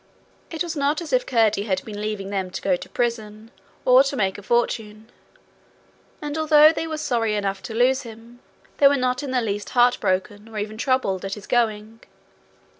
It was not as if Curdie had been leaving them to go to prison, or to make a fortune, and although they were sorry enough to lose him, they were not in the least heartbroken or even troubled at his going.